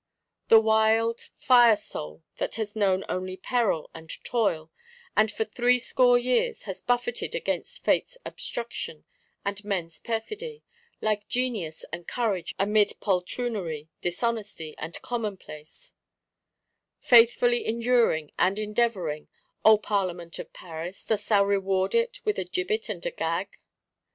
The wild fire soul that has known only peril and toil; and, for threescore years, has buffeted against Fate's obstruction and men's perfidy, like genius and courage amid poltroonery, dishonesty and commonplace; faithfully enduring and endeavouring,—O Parlement of Paris, dost thou reward it with a gibbet and a gag?